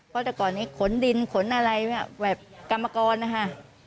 เพราะแต่ก่อนนี้ขนดินขนอะไรแบบกรรมกรนะคะ